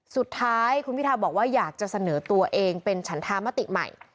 สุดท้ายคุณพิทาบอกว่าอยากจะเสนอตัวเองเป็นฉันธามติใหม่